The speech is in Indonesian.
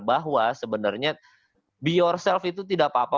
bahwa sebenarnya be yourself itu tidak apa apa